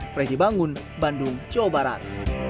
freddy bangun bandung jawa barat